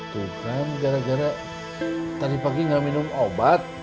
tuh kan gara gara tadi pagi nggak minum obat